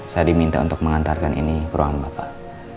saya diminta untuk mengantarkan ini ke ruang bapak